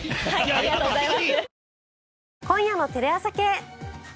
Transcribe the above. ありがとうございます。